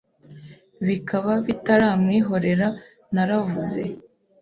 Bikaba bitaramwihorera naravuze